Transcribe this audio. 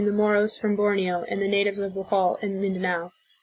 the Moros from Borneo and the natives of Bohol and Mindanao.